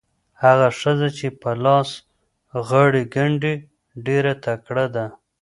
هغه ښځه چې په لاس غاړې ګنډي ډېره تکړه ده.